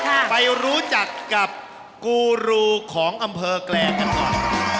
ไปรู้จักกับกูรูของอำเภอแกลงกันก่อน